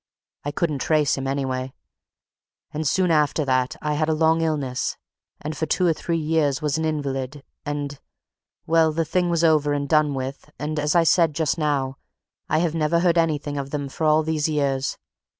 I couldn't trace him, anyway. And soon after that I had a long illness, and for two or three years was an invalid, and well, the thing was over and done with, and, as I said just now, I have never heard anything of any of them for all these years.